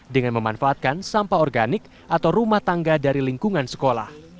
dengan memanfaatkan sampah organik atau rumah tangga dari lingkungan sekolah